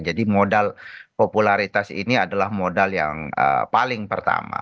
jadi modal popularitas ini adalah modal yang paling pertama